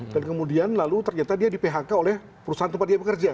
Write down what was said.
dan kemudian lalu ternyata dia di phk oleh perusahaan tempat dia bekerja